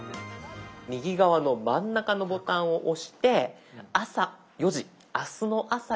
右側の真ん中のボタンを押して「朝４時明日の朝４時に起こして」。